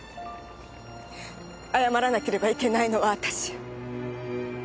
謝らなければいけないのは私よ。